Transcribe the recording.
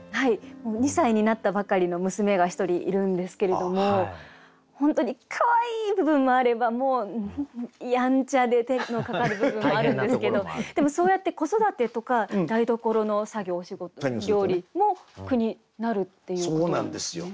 ２歳になったばかりの娘が１人いるんですけれども本当にかわいい部分もあればやんちゃで手のかかる部分もあるんですけどでもそうやって子育てとか台所の作業お仕事料理も句になるっていうことなんですね。